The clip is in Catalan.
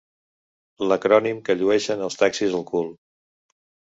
L'acrònim que llueixen els taxis al cul.